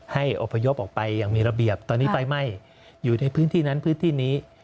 อบพยพออกไปอย่างมีระเบียบตอนนี้ไฟไหม้อยู่ในพื้นที่นั้นพื้นที่นี้